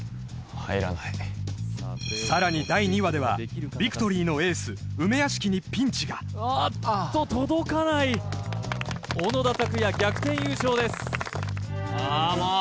入らないさらに第２話ではビクトリーのエース梅屋敷にピンチがあっと届かない小野田拓也逆転優勝ですあもう！